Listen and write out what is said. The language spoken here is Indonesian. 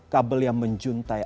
kabel yang menjuntai